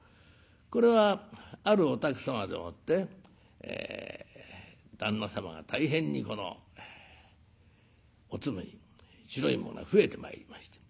これはあるお宅様でもって旦那様が大変にこのおつむに白いものが増えてまいりました。